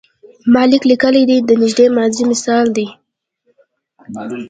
ما لیک لیکلی دی د نږدې ماضي مثال دی.